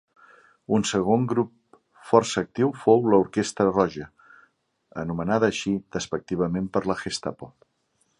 Un segon grup força actiu fou l'Orquestra Roja, anomenada així despectivament per la Gestapo.